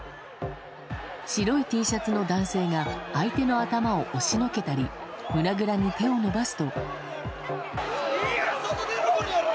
白いＴシャツの男性が相手の頭を押しのけたり、胸倉に手を伸ばすいいから外出ろ！